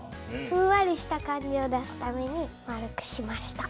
ふんわりした感じを出すために丸くしました。